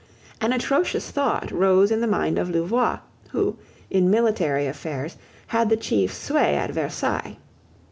An atrocious thought rose in the mind of Louvois, who, in military affairs, had the chief sway at Versailles.